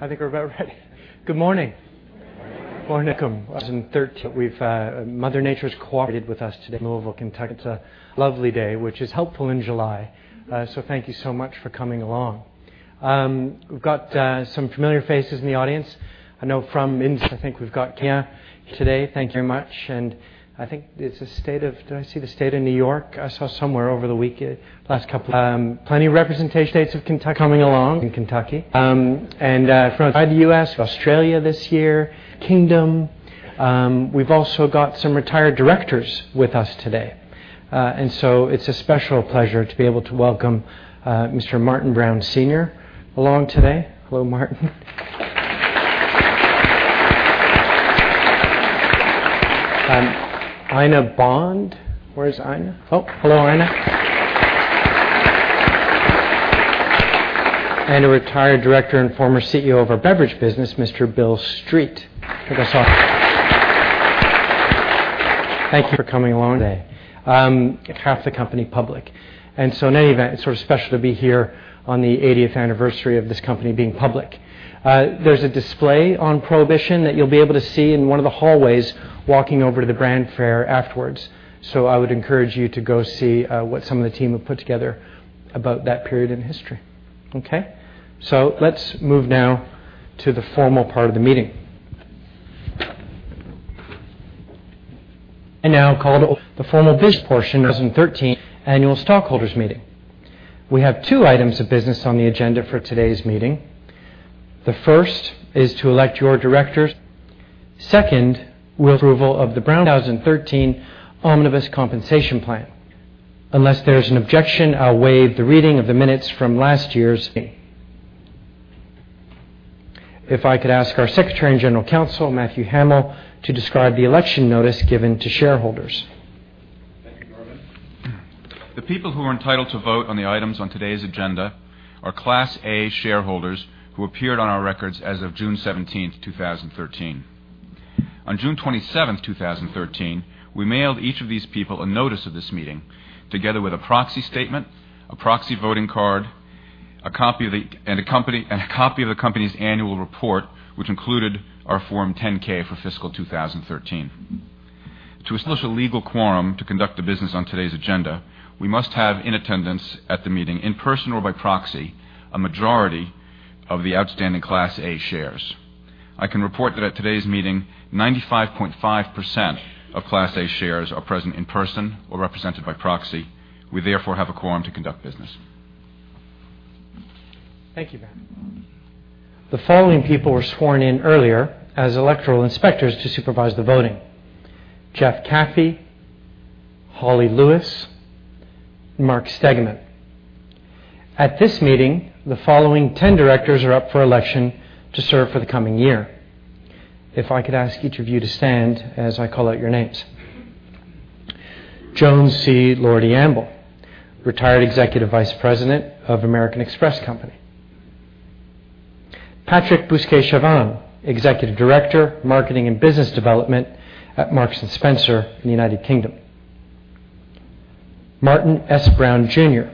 I think we're about ready. Good morning. Good morning. Welcome. 2013, Mother Nature's cooperated with us today in Louisville, Kentucky. It's a lovely day, which is helpful in July. Thank you so much for coming along. We've got some familiar faces in the audience. I know from India, I think we've got Kia today. Thank you very much. I think, did I see the state of New York? I saw somewhere over the last couple. Plenty of representation of the states of Kentucky coming along in Kentucky. From outside the U.S., Australia this year, U.K. We've also got some retired directors with us today. It's a special pleasure to be able to welcome Mr. Martin Brown Sr. along today. Hello, Martin. Ina Bond. Where is Ina? Oh, hello, Ina. A retired director and former CEO of our beverage business, Mr. Bill Street. Thank you for coming along today. Half the company public. In any event, it's sort of special to be here on the 80th anniversary of this company being public. There's a display on prohibition that you'll be able to see in one of the hallways walking over to the Brand Fair afterwards. I would encourage you to go see what some of the team have put together about that period in history. Okay? Let's move now to the formal part of the meeting. I now call to order the formal business portion of the 2013 annual stockholders meeting. We have two items of business on the agenda for today's meeting. The first is to elect your directors. Second, with approval of the Brown-Forman 2013 Omnibus Compensation Plan. Unless there's an objection, I'll waive the reading of the minutes from last year's meeting. If I could ask our Secretary and General Counsel, Matthew E. Hamel, to describe the election notice given to shareholders. The people who are entitled to vote on the items on today's agenda are Class A shareholders who appeared on our records as of June 17, 2013. On June 27, 2013, we mailed each of these people a notice of this meeting, together with a proxy statement, a proxy voting card, and a copy of the company's annual report, which included our Form 10-K for fiscal 2013. To establish a legal quorum to conduct the business on today's agenda, we must have in attendance at the meeting, in person or by proxy, a majority of the outstanding Class A shares. I can report that at today's meeting, 95.5% of Class A shares are present in person or represented by proxy. We therefore have a quorum to conduct business. Thank you, Matt. The following people were sworn in earlier as electoral inspectors to supervise the voting: Jeff Caffey, Holly Lewis, Mark Stegeman. At this meeting, the following 10 directors are up for election to serve for the coming year. If I could ask each of you to stand as I call out your names. Joan C. Lordi Amble, Retired Executive Vice President of American Express Company. Patrick Bousquet-Chavanne, Executive Director, Marketing and Business Development at Marks & Spencer in the United Kingdom. Martin S. Brown Jr.,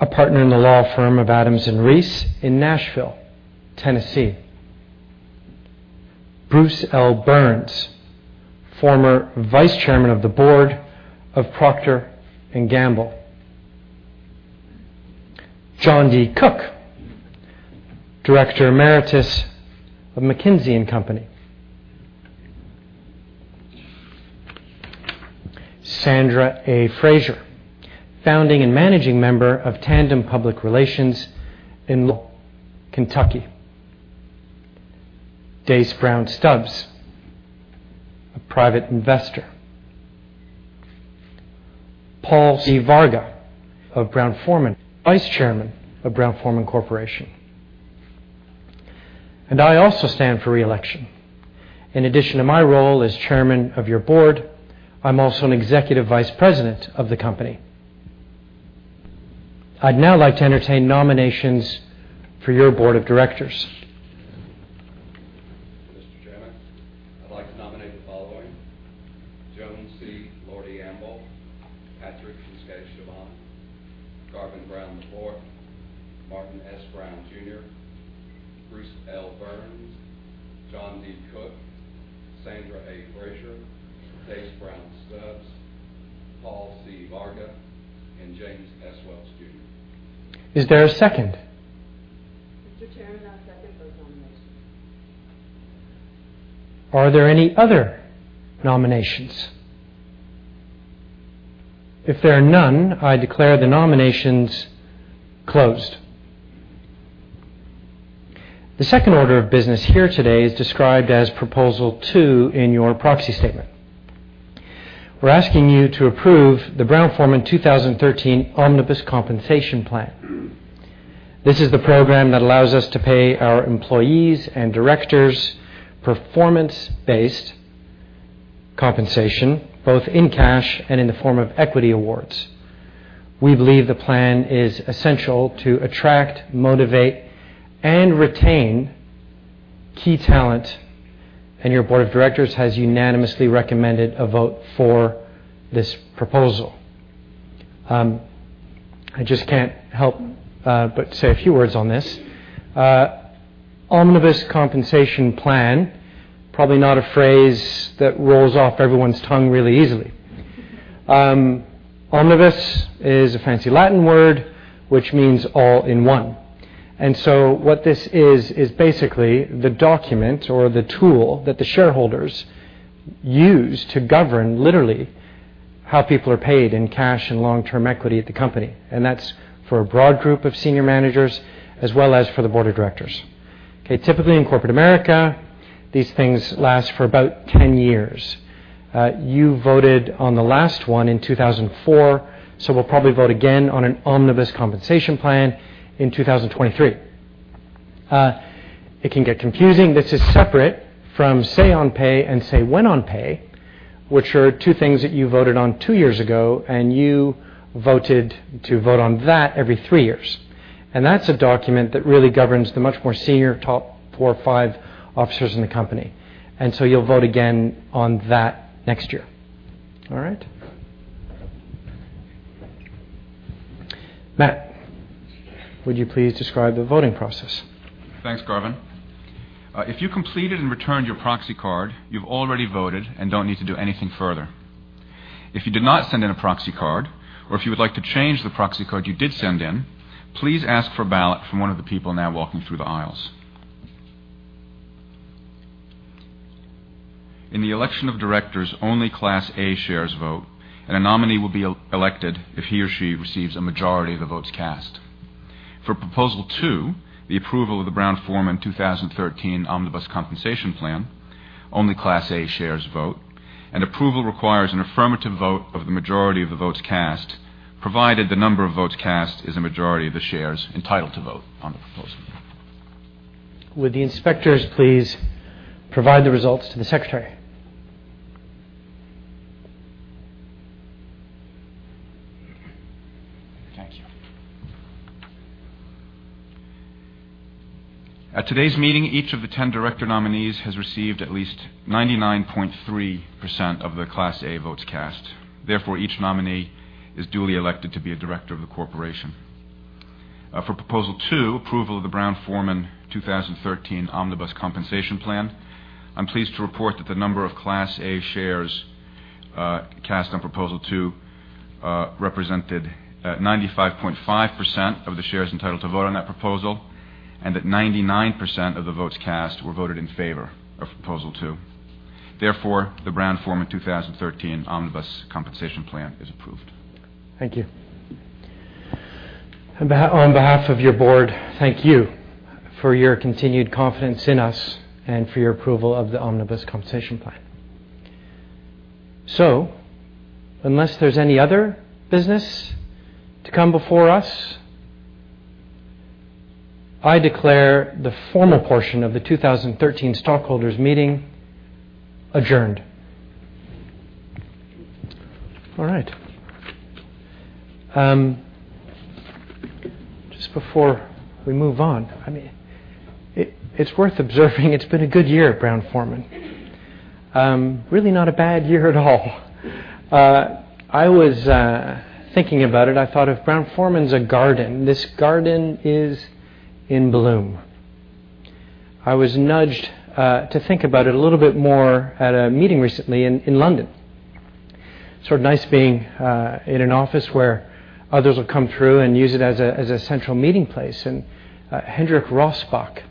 a partner in the law firm of Adams and Reese in Nashville, Tennessee. Bruce L. Byrnes, former Vice Chairman of the Board of Procter & Gamble. John D. Cook, Director Emeritus of McKinsey & Company. Sandra A. Frazier, Founding and Managing Member of Tandem Public Relations in Kentucky. Dace Brown Stubbs, a private investor. Paul C. Varga of Brown-Forman, Vice Chairman of Brown-Forman Corporation. I also stand for re-election. In addition to my role as Chairman of your board, I'm also an Executive Vice President of the company. I'd now like to entertain nominations for your board of directors. Mr. Chairman, I'd like to nominate the following: Joan C. Lordi Amble, Patrick Bousquet-Chavanne, Garvin Brown IV, Martin Brown Sr., Bruce L. Byrnes, John D. Cook, Sandra A. Frazier, Dace Brown Stubbs, Paul C. Varga, and James S. Welch, Jr. Is there a second? Mr. Chairman, I second those nominations. Are there any other nominations? If there are none, I declare the nominations closed. The second order of business here today is described as Proposal 2 in your proxy statement. We're asking you to approve the Brown-Forman 2013 Omnibus Compensation Plan. This is the program that allows us to pay our employees and directors performance-based compensation, both in cash and in the form of equity awards. We believe the plan is essential to attract, motivate, and retain key talent, and your board of directors has unanimously recommended a vote for this proposal. I just can't help but say a few words on this. Omnibus Compensation Plan, probably not a phrase that rolls off everyone's tongue really easily. Omnibus is a fancy Latin word, which means all in one. What this is basically the document or the tool that the shareholders use to govern, literally, how people are paid in cash and long-term equity at the company. That's for a broad group of senior managers, as well as for the board of directors. Typically in corporate America, these things last for about 10 years. You voted on the last one in 2004, we'll probably vote again on an Omnibus Compensation Plan in 2023. It can get confusing. This is separate from Say on Pay and Say When on Pay, which are two things that you voted on two years ago, and you voted to vote on that every three years. That's a document that really governs the much more senior top four or five officers in the company. You'll vote again on that next year. All right? Matt, would you please describe the voting process? Thanks, Garvin. If you completed and returned your proxy card, you've already voted and don't need to do anything further. If you did not send in a proxy card, or if you would like to change the proxy card you did send in, please ask for a ballot from one of the people now walking through the aisles. In the election of directors, only Class A shares vote, and a nominee will be elected if he or she receives a majority of the votes cast. For Proposal 2, the approval of the Brown-Forman 2013 Omnibus Compensation Plan, only Class A shares vote, and approval requires an affirmative vote of the majority of the votes cast, provided the number of votes cast is a majority of the shares entitled to vote on the proposal. Would the inspectors please provide the results to the secretary? Thank you. At today's meeting, each of the 10 director nominees has received at least 99.3% of the Class A votes cast. Each nominee is duly elected to be a director of the corporation. For Proposal 2, approval of the Brown-Forman 2013 Omnibus Compensation Plan, I'm pleased to report that the number of Class A shares cast on Proposal 2 represented 95.5% of the shares entitled to vote on that proposal, and that 99% of the votes cast were voted in favor of Proposal 2. The Brown-Forman 2013 Omnibus Compensation Plan is approved. Thank you. On behalf of your board, thank you for your continued confidence in us and for your approval of the Omnibus Compensation Plan. Unless there's any other business to come before us, I declare the formal portion of the 2013 stockholders meeting adjourned. All right. Just before we move on, it's worth observing it's been a good year at Brown-Forman. Really not a bad year at all. I was thinking about it, I thought if Brown-Forman's a garden, this garden is in bloom. I was nudged to think about it a little bit more at a meeting recently in London. Sort of nice being in an office where others will come through and use it as a central meeting place. Hendrik Rosbach,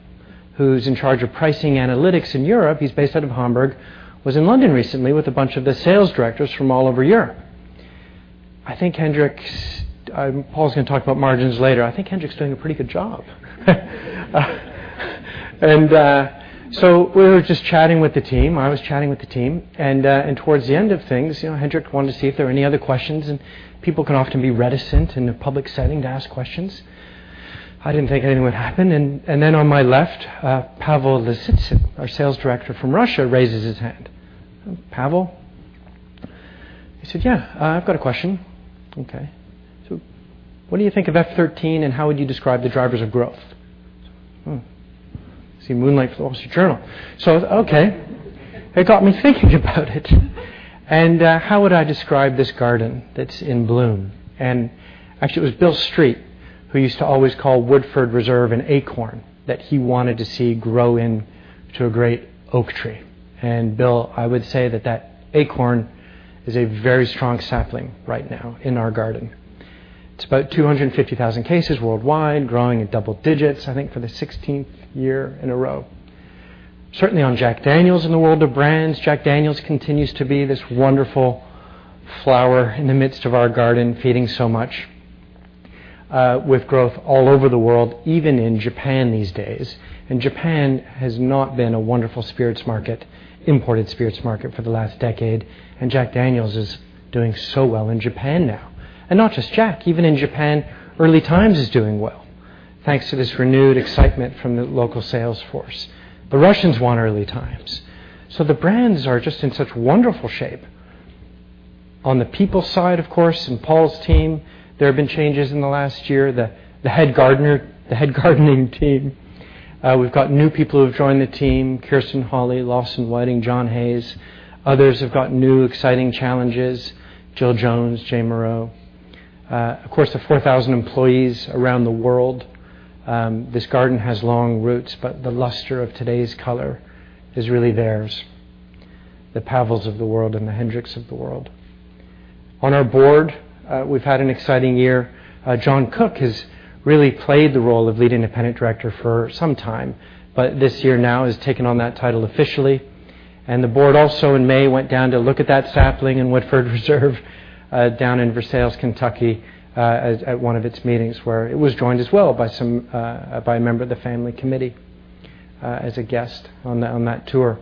who's in charge of pricing analytics in Europe, he's based out of Hamburg, was in London recently with a bunch of the sales directors from all over Europe. Paul's going to talk about margins later. I think Hendrik's doing a pretty good job. We were just chatting with the team. I was chatting with the team, and towards the end of things, Hendrik wanted to see if there were any other questions, and people can often be reticent in a public setting to ask questions. I didn't think anything would happen. On my left, Pavel Lisitsyn, our sales director from Russia, raises his hand. "Pavel?" He said, "Yeah. I've got a question." "Okay." "What do you think of F13, and how would you describe the drivers of growth?" Hmm. See Kentucky Law Journal. Okay. It got me thinking about it. How would I describe this garden that's in bloom? Actually, it was Bill Street, who used to always call Woodford Reserve an acorn that he wanted to see grow into a great oak tree. Bill, I would say that that acorn is a very strong sapling right now in our garden. It's about 250,000 cases worldwide, growing in double digits, I think, for the 16th year in a row. Certainly, on Jack Daniel's in the world of brands, Jack Daniel's continues to be this wonderful flower in the midst of our garden, feeding so much, with growth all over the world, even in Japan these days. Japan has not been a wonderful imported spirits market for the last decade, and Jack Daniel's is doing so well in Japan now. Not just Jack, even in Japan, Early Times is doing well, thanks to this renewed excitement from the local sales force. The Russians want Early Times. The brands are just in such wonderful shape. On the people side, of course, in Paul's team, there have been changes in the last year. The head gardening team. We've got new people who have joined the team, Kirsten Hawley, Lawson Whiting, John Hayes. Others have got new exciting challenges, Jill Jones, Jane Morreau. Of course, the 4,000 employees around the world. This garden has long roots, but the luster of today's color is really theirs. The Pavels of the world and the Hendricks of the world. On our board, we've had an exciting year. John D. Cook has really played the role of Lead Independent Director for some time, but this year now has taken on that title officially. The board also, in May, went down to look at that sapling in Woodford Reserve down in Versailles, Kentucky, at one of its meetings, where it was joined as well by a member of the family committee as a guest on that tour.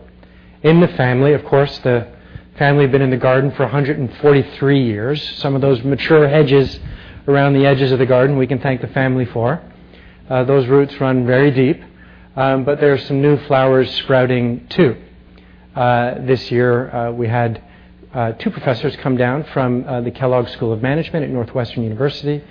In the family, of course, the family had been in the garden for 143 years. Some of those mature hedges around the edges of the garden, we can thank the family for. Those roots run very deep. There are some new flowers sprouting, too. This year, we had two professors come down from the Kellogg School of Management at Northwestern University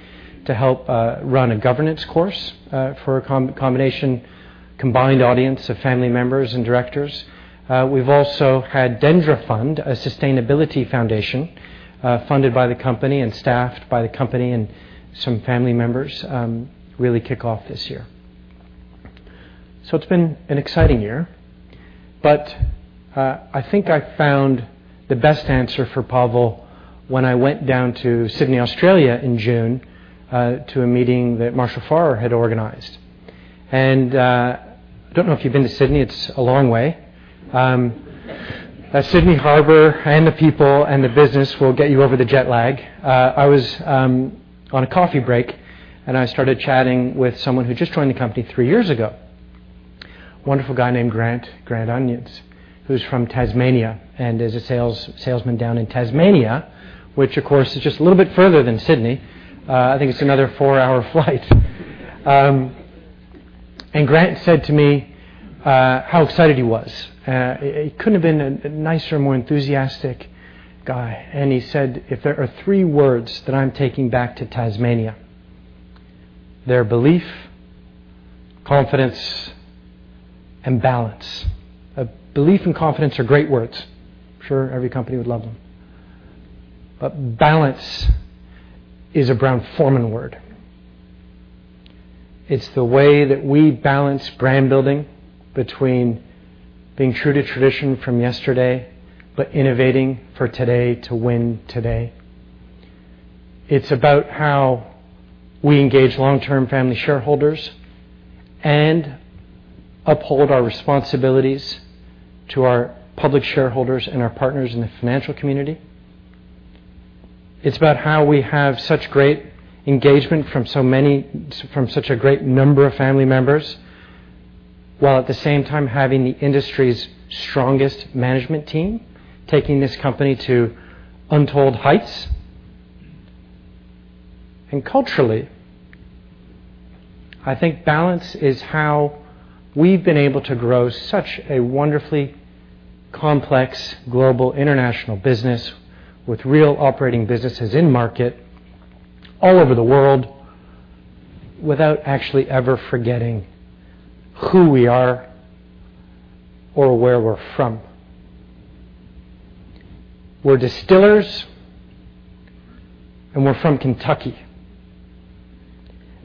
to help run a governance course for a combined audience of family members and directors. We've also had DendriFund, a sustainability foundation, funded by the company and staffed by the company and some family members, really kick off this year. It's been an exciting year. I think I found the best answer for Pavel when I went down to Sydney, Australia, in June to a meeting that Marshall Farrer had organized. I don't know if you've been to Sydney. It's a long way. Sydney Harbor, and the people, and the business will get you over the jet lag. I was on a coffee break, and I started chatting with someone who just joined the company three years ago. Wonderful guy named Grant Onions, who's from Tasmania and is a salesman down in Tasmania, which of course, is just a little bit further than Sydney. I think it's another four-hour flight. Grant said to me how excited he was. He couldn't have been a nicer, more enthusiastic guy. He said, "If there are three words that I'm taking back to Tasmania, they're belief, confidence, and balance." Belief and confidence are great words. I'm sure every company would love them. Balance is a Brown-Forman word. It's the way that we balance brand-building between being true to tradition from yesterday, but innovating for today to win today. It's about how we engage long-term family shareholders and uphold our responsibilities to our public shareholders and our partners in the financial community. It's about how we have such great engagement from such a great number of family members, while at the same time having the industry's strongest management team, taking this company to untold heights. Culturally, I think balance is how we've been able to grow such a wonderfully complex, global international business with real operating businesses in market all over the world without actually ever forgetting who we are or where we're from. We're distillers, and we're from Kentucky.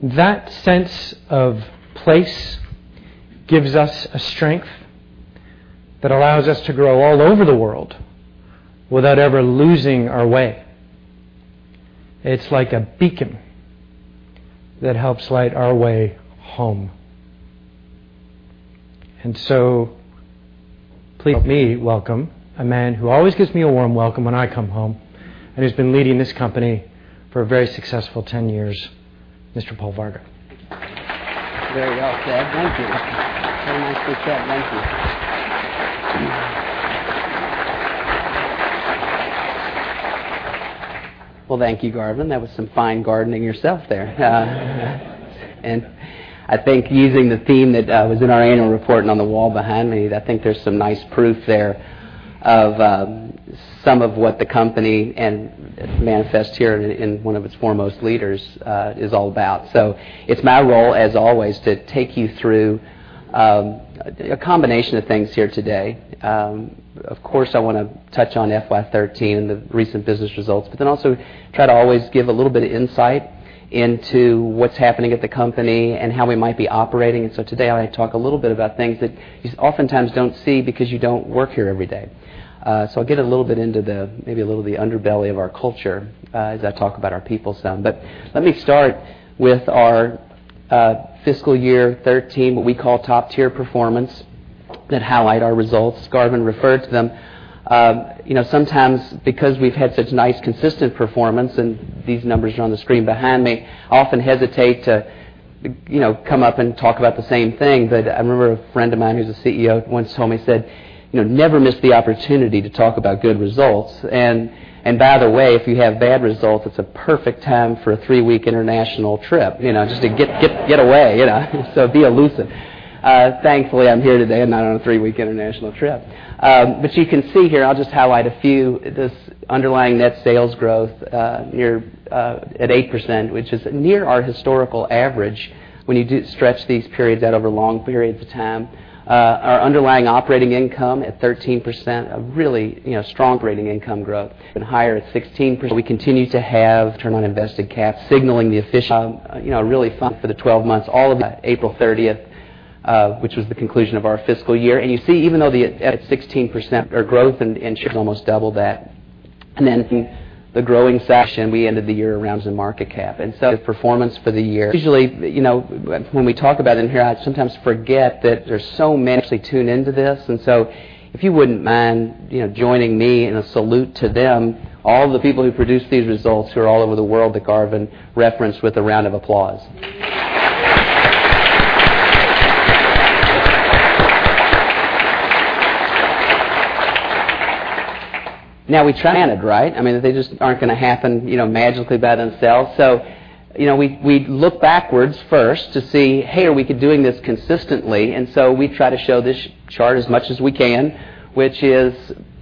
That sense of place gives us a strength that allows us to grow all over the world without ever losing our way. It's like a beacon that helps light our way home. Please, with me, welcome a man who always gives me a warm welcome when I come home, and who's been leading this company for a very successful 10 years, Mr. Paul Varga. Very well said. Thank you. Very nicely said. Thank you. Thank you, Garvin. That was some fine gardening yourself there. I think using the theme that was in our annual report and on the wall behind me, I think there's some nice proof there of some of what the company and manifest here in one of its foremost leaders is all about. It's my role, as always, to take you through a combination of things here today. Of course, I want to touch on FY 2013 and the recent business results, also try to always give a little bit of insight into what's happening at the company and how we might be operating. Today, I talk a little bit about things that you oftentimes don't see because you don't work here every day. I'll get a little bit into the, maybe a little the underbelly of our culture as I talk about our people some. Let me start with our fiscal year 2013, what we call top-tier performance that highlight our results. Garvin referred to them. Sometimes because we've had such nice, consistent performance, and these numbers are on the screen behind me, often hesitate to come up and talk about the same thing. I remember a friend of mine who's a CEO once told me, said, "Never miss the opportunity to talk about good results. By the way, if you have bad results, it's a perfect time for a three-week international trip just to get away. Be elusive." Thankfully, I'm here today. I'm not on a three-week international trip. You can see here, I'll just highlight a few. This underlying net sales growth at 8%, which is near our historical average when you do stretch these periods out over long periods of time. Our underlying operating income at 13%, a really strong operating income growth. Even higher at 16%. We continue to have return on invested cap, signaling the efficient. Really fun for the 12 months, all of that April 30th, which was the conclusion of our fiscal year. You see, even though the at 16% our growth in shares is almost double that. Then the growing section, we ended the year around some market cap. The performance for the year. Usually, when we talk about it in here, I sometimes forget that there's so many actually tune into this. If you wouldn't mind joining me in a salute to them, all of the people who produce these results, who are all over the world, that Garvin referenced, with a round of applause. We try planned, right? I mean, they just aren't going to happen magically by themselves. We look backwards first to see, "Hey, are we doing this consistently?" We try to show this chart as much as we can, which is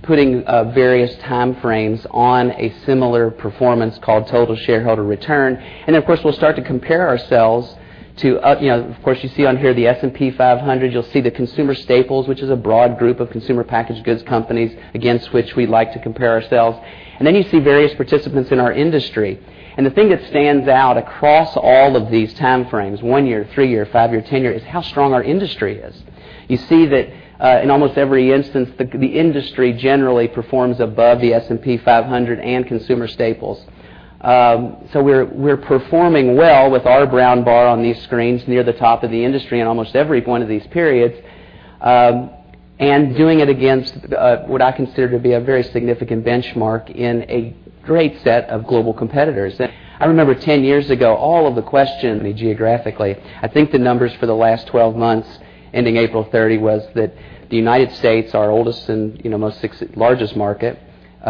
putting various time frames on a similar performance called total shareholder return. Of course, we'll start to compare ourselves to. Of course, you see on here the S&P 500. You'll see the consumer staples, which is a broad group of consumer packaged goods companies against which we like to compare ourselves. Then you see various participants in our industry. The thing that stands out across all of these time frames, one year, three year, five year, 10 year, is how strong our industry is. You see that in almost every instance, the industry generally performs above the S&P 500 and consumer staples. We're performing well with our Brown-Forman on these screens near the top of the industry in almost every one of these periods. Doing it against what I consider to be a very significant benchmark in a great set of global competitors. I remember 10 years ago, all of the questions. Geographically, I think the numbers for the last 12 months, ending April 30, was that the U.S., our oldest and most largest market,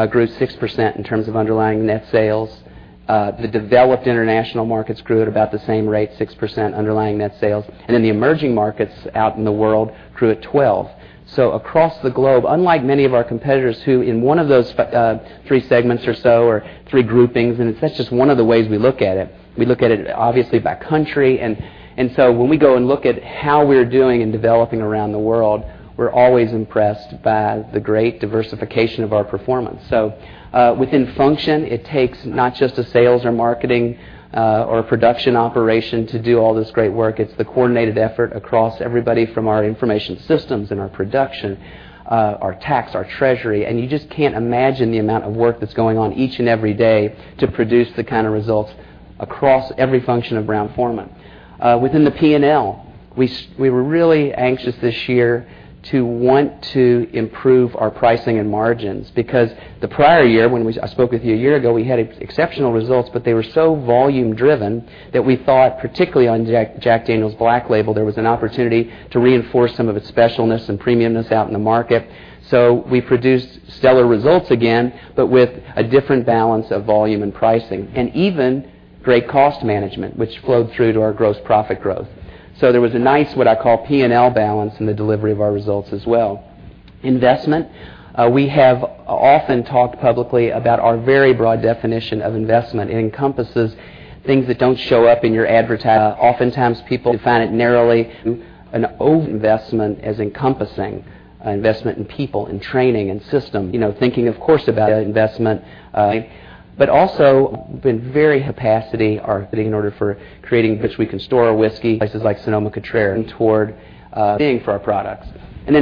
grew 6% in terms of underlying net sales. The developed international markets grew at about the same rate, 6% underlying net sales. The emerging markets out in the world grew at 12%. Across the globe, unlike many of our competitors, who in one of those three segments or so, or three groupings, and that's just one of the ways we look at it. We look at it, obviously, by country. When we go and look at how we're doing in developing around the world, we're always impressed by the great diversification of our performance. Within function, it takes not just a sales or marketing, or production operation to do all this great work. It's the coordinated effort across everybody from our information systems and our production, our tax, our treasury. You just can't imagine the amount of work that's going on each and every day to produce the kind of results across every function of Brown-Forman. Within the P&L, we were really anxious this year to want to improve our pricing and margins, because the prior year. I spoke with you a year ago, we had exceptional results, but they were so volume driven that we thought, particularly on Jack Daniel's Black Label, there was an opportunity to reinforce some of its specialness and premiumness out in the market. We produced stellar results again, but with a different balance of volume and pricing. Even great cost management, which flowed through to our gross profit growth. There was a nice, what I call P&L balance in the delivery of our results as well. Investment. We have often talked publicly about our very broad definition of investment. It encompasses things that don't show up in your advertising. Oftentimes, people define it narrowly. An over investment as encompassing investment in people, in training, in system. Thinking, of course, about investment. But also been very capacity or fitting in order for creating, which we can store our whiskey. Places like Sonoma-Cutrer. Toward being for our products.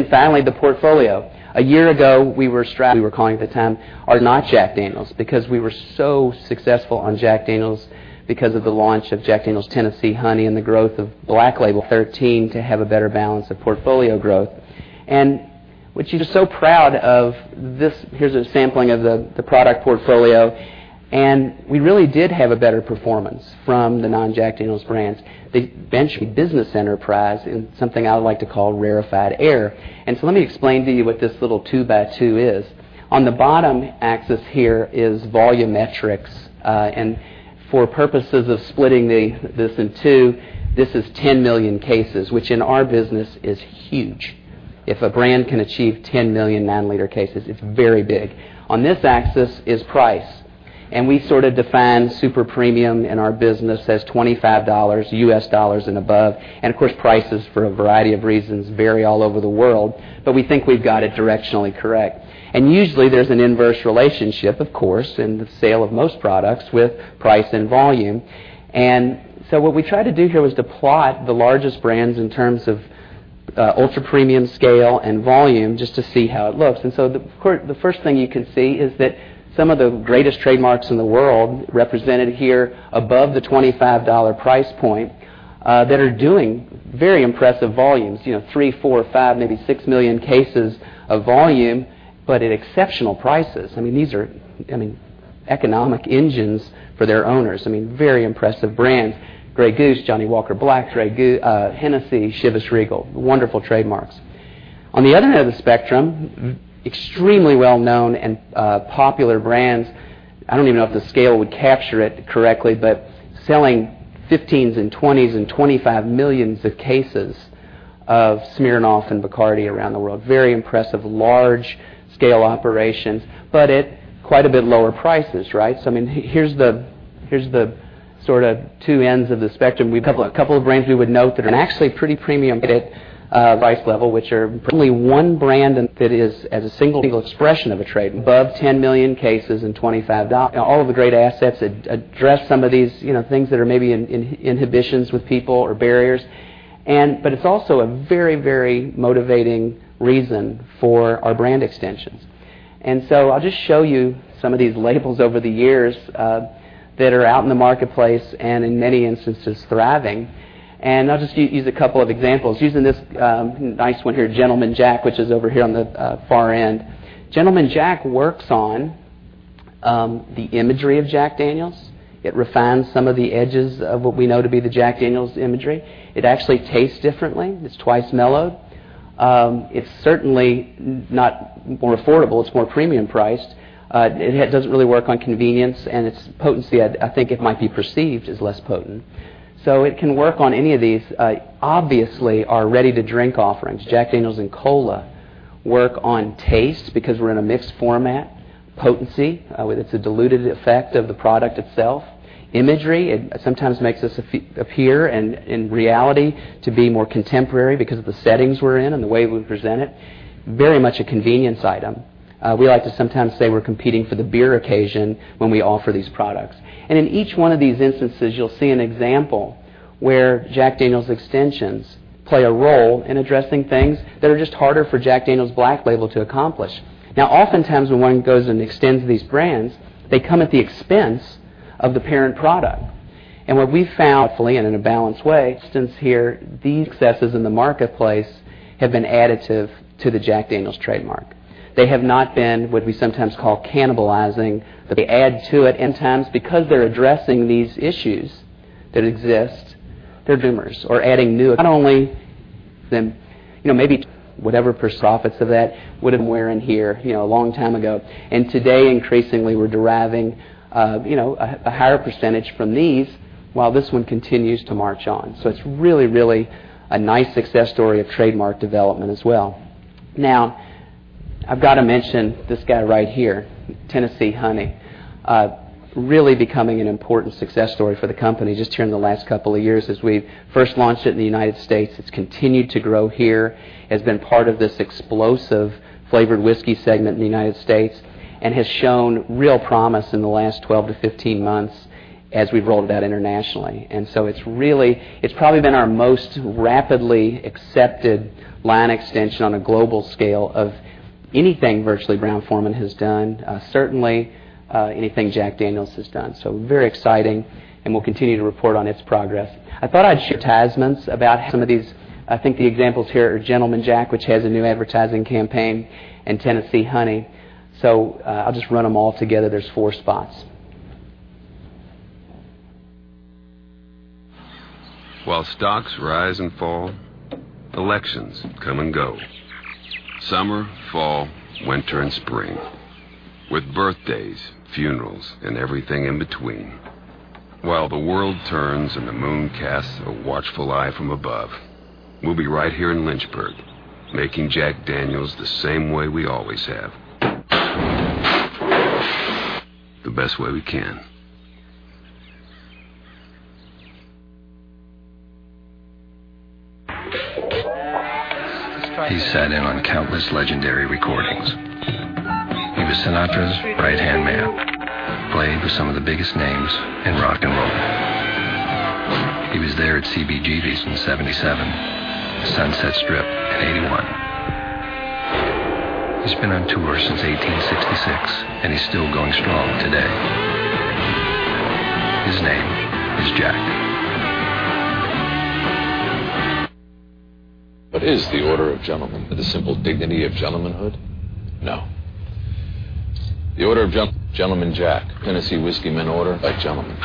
Finally, the portfolio. A year ago, we were calling at the time, are not Jack Daniel's, because we were so successful on Jack Daniel's because of the launch of Jack Daniel's Tennessee Honey and the growth of Black Label. FY13 to have a better balance of portfolio growth. Which we're just so proud of this. Here's a sampling of the product portfolio. We really did have a better performance from the non-Jack Daniel's brands. The bench business enterprise is something I would like to call rarefied air. Let me explain to you what this little 2 by 2 is. On the bottom axis here is volume metrics. For purposes of splitting this in two, this is 10 million cases, which in our business is huge. If a brand can achieve 10 million cases, it's very big. On this axis is price. We sort of define super-premium in our business as $25 U.S. dollars and above. Of course, prices, for a variety of reasons, vary all over the world, but we think we've got it directionally correct. Usually, there's an inverse relationship, of course, in the sale of most products with price and volume. What we tried to do here was to plot the largest brands in terms of ultra-premium scale and volume, just to see how it looks. The first thing you can see is that some of the greatest trademarks in the world, represented here above the $25 price point, that are doing very impressive volumes. Three, four, five, maybe six million cases of volume, but at exceptional prices. I mean, these are economic engines for their owners. I mean, very impressive brands. Grey Goose, Johnnie Walker Black, Hennessy, Chivas Regal, wonderful trademarks. On the other end of the spectrum, extremely well-known and popular brands, I don't even know if the scale would capture it correctly, but selling 15s and 20s and 25 million cases of Smirnoff and BACARDÍ around the world. Very impressive, large-scale operations, but at quite a bit lower prices, right? Here's the 2 ends of the spectrum. A couple of brands we would note that are actually pretty premium at price level, which are probably one brand that is, as a single expression of a trademark, above 10 million cases and $25. All of the great assets address some of these things that are maybe inhibitions with people or barriers. It's also a very motivating reason for our brand extensions. I'll just show you some of these labels over the years that are out in the marketplace and in many instances thriving. I'll just use a couple of examples. Using this nice one here, Gentleman Jack, which is over here on the far end. Gentleman Jack works on the imagery of Jack Daniel's. It refines some of the edges of what we know to be the Jack Daniel's imagery. It actually tastes differently. It's twice mellowed. It's certainly not more affordable. It's more premium priced. It doesn't really work on convenience, and its potency, I think, it might be perceived as less potent. It can work on any of these, obviously, our ready-to-drink offerings. Jack Daniel's & Coca-Cola work on taste because we're in a mixed format. Potency, it's a diluted effect of the product itself. Imagery, it sometimes makes us appear and in reality to be more contemporary because of the settings we're in and the way we present it. Very much a convenience item. We like to sometimes say we're competing for the beer occasion when we offer these products. In each one of these instances, you'll see an example where Jack Daniel's extensions play a role in addressing things that are just harder for Jack Daniel's Black Label to accomplish. Oftentimes, when one goes and extends these brands, they come at the expense of the parent product. What we found, hopefully, and in a balanced way, since here, these successes in the marketplace have been additive to the Jack Daniel's trademark. They have not been what we sometimes call cannibalizing, but they add to it. Times because they're addressing these issues that exist, they're drivers or adding new. Not only them, maybe whatever % profits of that would have been earning here a long time ago. Today, increasingly, we're deriving a higher % from these while this one continues to march on. It's really a nice success story of trademark development as well. I've got to mention this guy right here, Tennessee Honey, really becoming an important success story for the company just here in the last couple of years as we've first launched it in the U.S. It's continued to grow here. It's been part of this explosive flavored whiskey segment in the U.S. and has shown real promise in the last 12 to 15 months as we've rolled that internationally. It's probably been our most rapidly accepted line extension on a global scale of anything virtually Brown-Forman has done, certainly anything Jack Daniel's has done. Very exciting, and we'll continue to report on its progress. I thought I'd share advertisements about some of these. I think the examples here are Gentleman Jack, which has a new advertising campaign, and Tennessee Honey. I'll just run them all together. There's four spots. While stocks rise and fall, elections come and go. Summer, fall, winter, and spring, with birthdays, funerals, and everything in between. While the world turns and the moon casts a watchful eye from above, we'll be right here in Lynchburg, making Jack Daniel's the same way we always have, the best way we can. He sat in on countless legendary recordings. He was Sinatra's right-hand man, playing with some of the biggest names in rock 'n' roll. He was there at CBGB's in 1977, the Sunset Strip in 1981. He's been on tour since 1866, and he's still going strong today. His name is Jack. What is The Order of Gentlemen? The simple dignity of gentlemanhood? No. The Order of Gentlemen, Gentleman Jack. Tennessee Whiskey men order like gentlemen.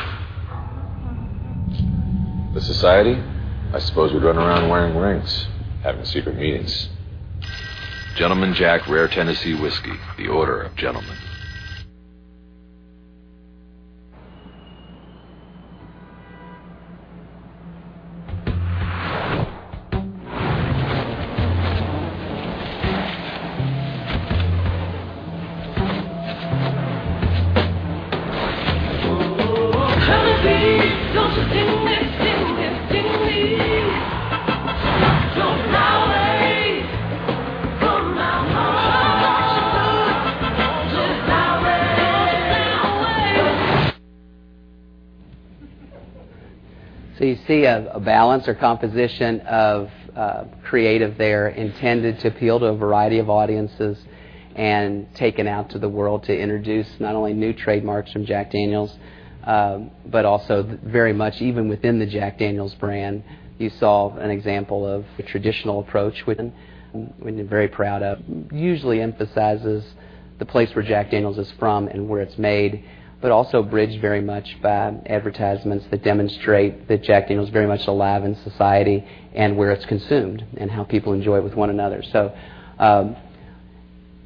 A society? I suppose we'd run around wearing rings, having secret meetings. Gentleman Jack Rare Tennessee Whiskey. The Order of Gentlemen. You see a balance or composition of creative there intended to appeal to a variety of audiences and taken out to the world to introduce not only new trademarks from Jack Daniel's, but also very much even within the Jack Daniel's brand. You saw an example of the traditional approach with him, one we're very proud of. Usually emphasizes the place where Jack Daniel's is from and where it's made, but also bridged very much by advertisements that demonstrate that Jack Daniel's very much alive in society and where it's consumed and how people enjoy it with one another.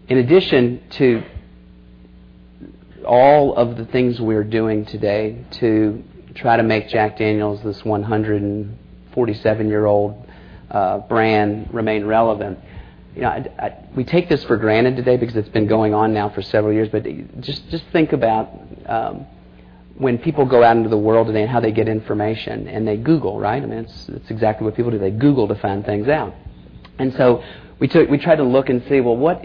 In addition to all of the things we're doing today to try to make Jack Daniel's, this 147-year-old brand, remain relevant. We take this for granted today because it's been going on now for several years, but just think about when people go out into the world today and how they get information, and they Google, right? I mean, that's exactly what people do. They Google to find things out. We tried to look and see, well,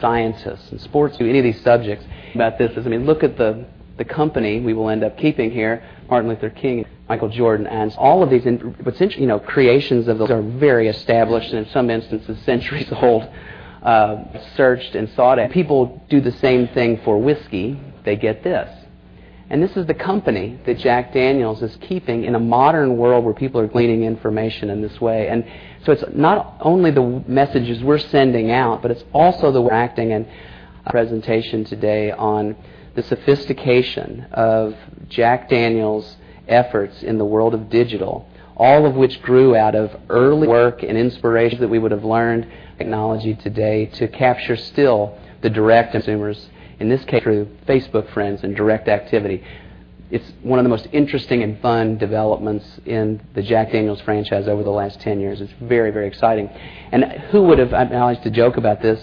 scientists and sports, any of these subjects. About this, look at the company we will end up keeping here, Martin Luther King, Michael Jordan, and all of these, essentially, creations of those are very established and in some instances, centuries old, searched and sought. People do the same thing for whiskey. They get this. This is the company that Jack Daniel's is keeping in a modern world where people are gleaning information in this way. It's not only the messages we're sending out, but it's also the way acting and presentation today on the sophistication of Jack Daniel's efforts in the world of digital, all of which grew out of early work and inspiration that we would have learned technology today to capture still the direct consumers, in this case, through Facebook friends and direct activity. It's one of the most interesting and fun developments in the Jack Daniel's franchise over the last 10 years. It's very exciting. We all joke about this,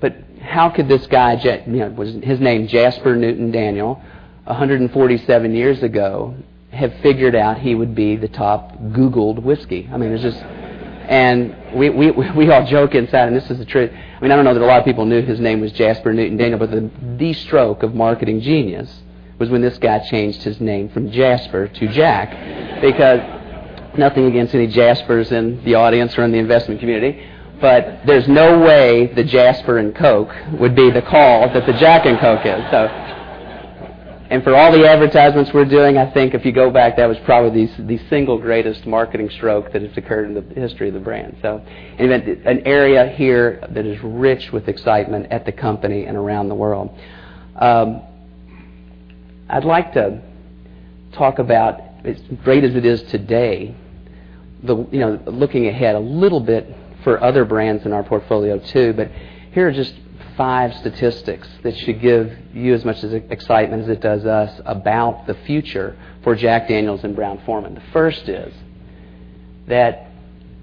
but how could this guy, his name, Jasper Newton Daniel, 147 years ago, have figured out he would be the top Googled whiskey? We all joke inside, and this is the truth. I mean, I don't know that a lot of people knew his name was Jasper Newton Daniel, the stroke of marketing genius was when this guy changed his name from Jasper to Jack, nothing against any Jaspers in the audience or in the investment community, there's no way the Jasper and Coke would be the call that the Jack and Coke is. For all the advertisements we're doing, I think if you go back, that was probably the single greatest marketing stroke that has occurred in the history of the brand. Anyway, an area here that is rich with excitement at the company and around the world. I'd like to talk about, as great as it is today, looking ahead a little bit for other brands in our portfolio, too. Here are just five statistics that should give you as much excitement as it does us about the future for Jack Daniel's and Brown-Forman. The first is that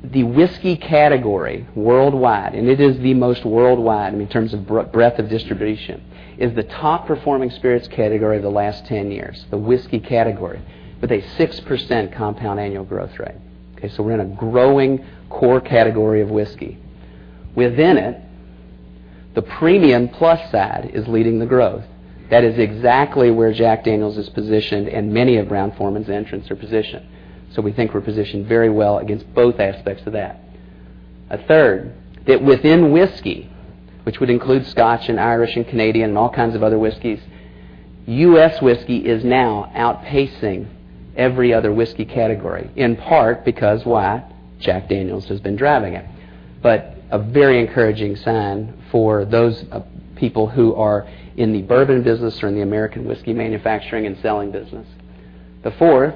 the whiskey category worldwide, and it is the most worldwide in terms of breadth of distribution, is the top-performing spirits category of the last 10 years. The whiskey category with a 6% Compound Annual Growth Rate. We're in a growing core category of whiskey. Within it, the premium-plus side is leading the growth. That is exactly where Jack Daniel's is positioned and many of Brown-Forman's entrants are positioned. We think we're positioned very well against both aspects of that. A third, that within whiskey, which would include Scotch and Irish and Canadian, and all kinds of other whiskeys, US whiskey is now outpacing every other whiskey category, in part because why? Jack Daniel's has been driving it. A very encouraging sign for those people who are in the bourbon business or in the American whiskey manufacturing and selling business. The fourth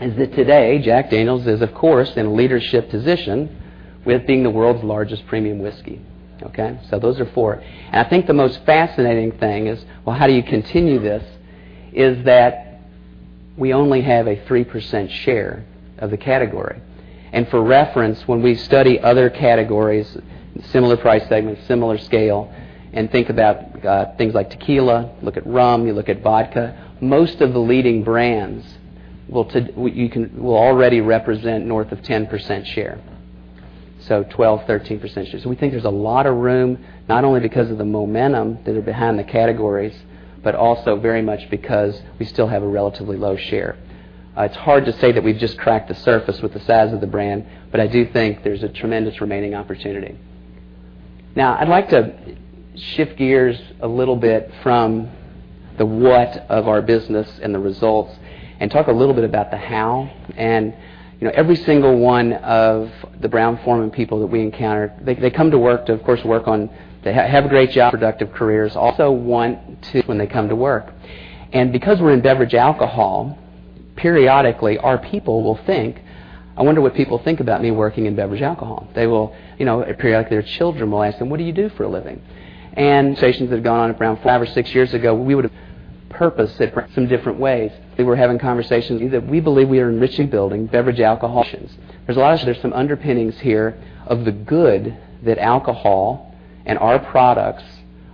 is that today, Jack Daniel's is, of course, in a leadership position with being the world's largest premium whiskey. Those are four. I think the most fascinating thing is, well, how do you continue this? We only have a 3% share of the category. For reference, when we study other categories, similar price segments, similar scale, and think about things like tequila, look at rum, you look at vodka, most of the leading brands will already represent north of 10% share. 12, 13% share. We think there's a lot of room, not only because of the momentum that are behind the categories, but also very much because we still have a relatively low share. It's hard to say that we've just cracked the surface with the size of the brand, but I do think there's a tremendous remaining opportunity. I'd like to shift gears a little bit from the what of our business and the results, and talk a little bit about the how. Every single one of the Brown-Forman people that we encounter, they come to work to, of course, work on they have great job productive careers, also want to when they come to work. Because we're in beverage alcohol, periodically, our people will think, "I wonder what people think about me working in beverage alcohol." Periodically their children will ask them, "What do you do for a living?" Conversations have gone on at Brown-Forman five or six years ago, we would have purpose it some different ways. We were having conversations that we believe we are enriched in building beverage alcohol. There's some underpinnings here of the good that alcohol and our products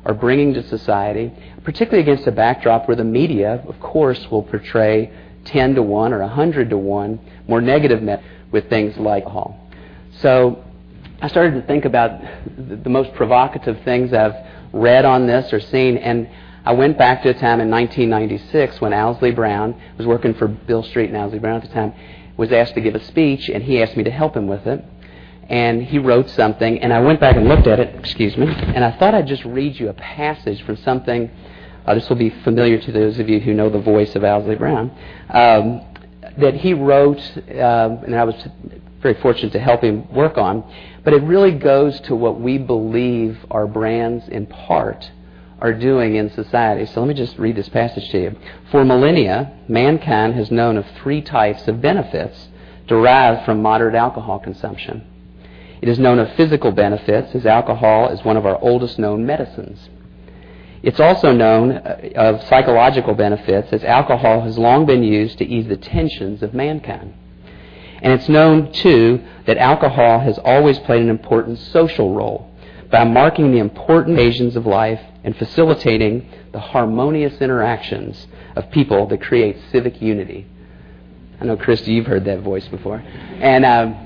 are bringing to society, particularly against a backdrop where the media, of course, will portray 10 to 1 or 100 to 1 more negative with things like alcohol. I started to think about the most provocative things I've read on this or seen, I went back to a time in 1996 when Owsley Brown was working for William M. Street, Owsley Brown at the time was asked to give a speech, and he asked me to help him with it. He wrote something, and I went back and looked at it. Excuse me. I thought I'd just read you a passage from something, this will be familiar to those of you who know the voice of Owsley Brown, that he wrote, and I was very fortunate to help him work on. It really goes to what we believe our brands, in part, are doing in society. Let me just read this passage to you. "For millennia, mankind has known of 3 types of benefits derived from moderate alcohol consumption." It is known of physical benefits, as alcohol is one of our oldest known medicines. It's also known of psychological benefits, as alcohol has long been used to ease the tensions of mankind. It's known too, that alcohol has always played an important social role by marking the important occasions of life and facilitating the harmonious interactions of people that create civic unity. I know, Christy, you've heard that voice before. Anyway,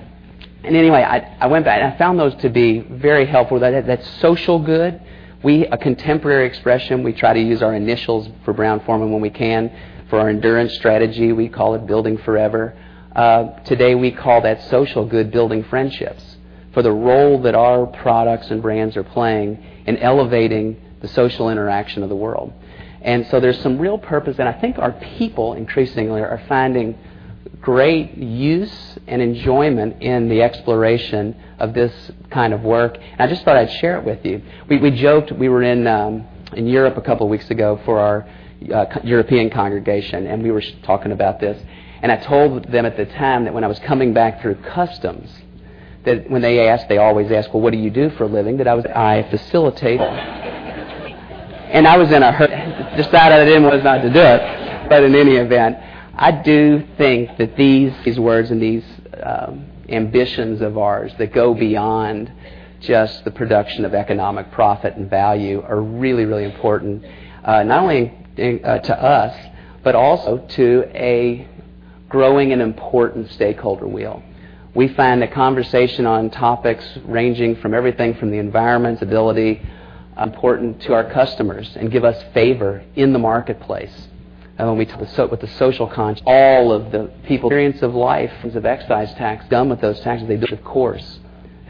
I went back and I found those to be very helpful. That social good. We, a contemporary expression, we try to use our initials for Brown-Forman when we can. For our endurance strategy, we call it Building Forever. Today, we call that social good Building Friendships for the role that our products and brands are playing in elevating the social interaction of the world. There's some real purpose, and I think our people increasingly are finding great use and enjoyment in the exploration of this kind of work, and I just thought I'd share it with you. We joked, we were in Europe a couple of weeks ago for our European congregation, and we were talking about this. I told them at the time that when I was coming back through customs, that when they ask, they always ask, "Well, what do you do for a living?" That I facilitate. I was in a hurry. Decided was not to do it. In any event, I do think that these words and these ambitions of ours that go beyond just the production of economic profit and value are really, really important, not only to us, but also to a growing and important stakeholder wheel. We find a conversation on topics ranging from everything from the environment ability important to our customers and give us favor in the marketplace. When we talk with the social con, all of the people experience of life of excise tax done with those taxes they do, of course,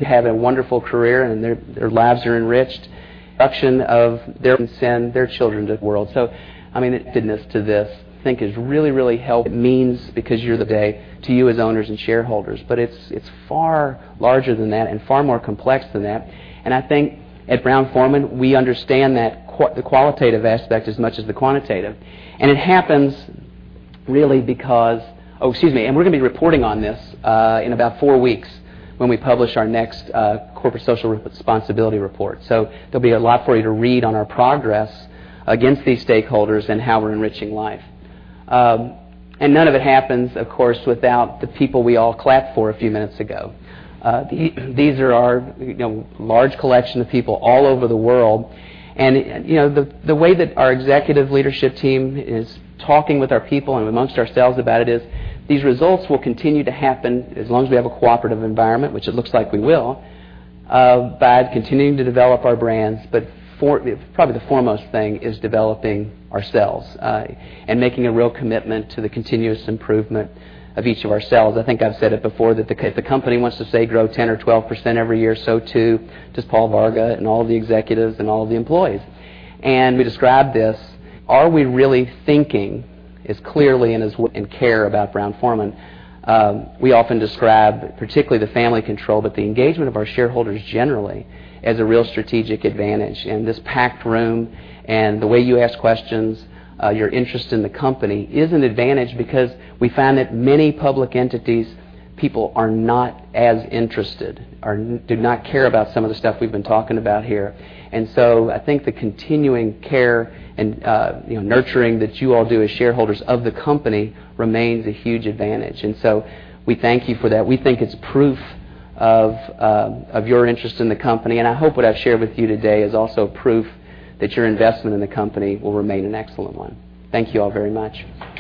to have a wonderful career and their lives are enriched. Production of their can send their children to the world. I mean, fitness to this, I think has really, really helped. It means because you're the day to you as owners and shareholders. It's far larger than that and far more complex than that. I think at Brown-Forman, we understand that the qualitative aspect as much as the quantitative. It happens really because Oh, excuse me, we're going to be reporting on this in about 4 weeks when we publish our next corporate social responsibility report. There'll be a lot for you to read on our progress against these stakeholders and how we're enriching life. None of it happens, of course, without the people we all clapped for a few minutes ago. These are our large collection of people all over the world. The way that our executive leadership team is talking with our people and amongst ourselves about it is these results will continue to happen as long as we have a cooperative environment, which it looks like we will, by continuing to develop our brands. Probably the foremost thing is developing ourselves, and making a real commitment to the continuous improvement of each of ourselves. I think I've said it before that if the company wants to, say, grow 10 or 12% every year, so too does Paul Varga and all of the executives and all of the employees. We describe this, are we really thinking as clearly and as we care about Brown-Forman? We often describe, particularly the family control, but the engagement of our shareholders generally as a real strategic advantage. This packed room and the way you ask questions, your interest in the company is an advantage because we find that many public entities, people are not as interested or do not care about some of the stuff we've been talking about here. I think the continuing care and nurturing that you all do as shareholders of the company remains a huge advantage. We thank you for that. We think it's proof of your interest in the company, and I hope what I've shared with you today is also proof that your investment in the company will remain an excellent one. Thank you all very much.